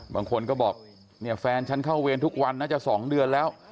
บางคนก็บอกเนี่ยแฟนฉันเข้าเวรทุกวันน่าจะ๒เดือนแล้ว